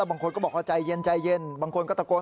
แล้วบางคนก็บอกว่าใจเย็นบางคนก็ตะโกน